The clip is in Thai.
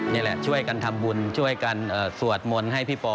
นี่แหละช่วยกันทำบุญช่วยกันสวดมนต์ให้พี่ปอ